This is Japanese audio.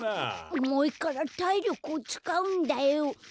おもいからたいりょくをつかうんだよ。